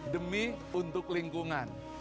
demi untuk lingkungan